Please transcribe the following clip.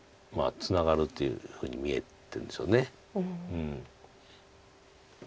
ツナがるというふうに見えてるんでしょう。